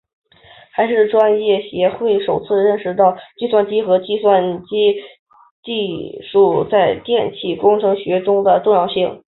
这是专业协会首次认识到计算机和计算机技术在电气工程学中的重要性。